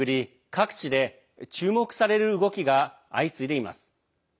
各地で注目される動きが相次いでいます。